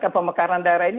pemekaran daerah ini